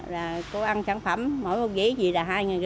là cô ăn sản phẩm mỗi bộ ghế gì là hai năm trăm linh